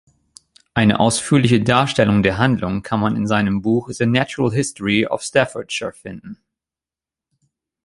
Eine ausführliche Darstellung der Handlung kann man in seinem Buch „The Natural History of Staffordshire“ finden.